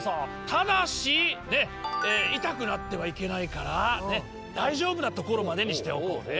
ただし痛くなってはいけないからだいじょうぶなところまでにしておこうね。